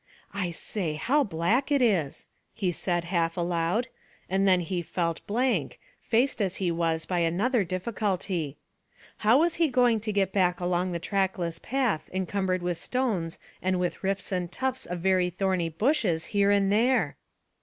I say, how black it is," he said half aloud, and then he felt blank, faced as he was by another difficulty how was he going to get back along the trackless path encumbered with stones and with rifts and tufts of very thorny bushes here and there?